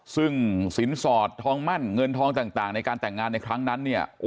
ซึ่งสินสอดทองมั่นเงินทองต่างในการแต่งงานในครั้งนั้นเนี่ย